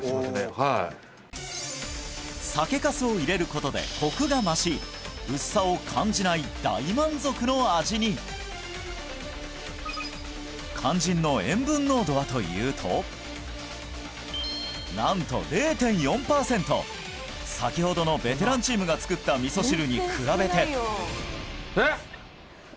はい酒粕を入れることでコクが増し薄さを感じない大満足の味に肝心の塩分濃度はというとなんと０．４パーセント先ほどのベテランチームが作った味噌汁に比べてえっ！？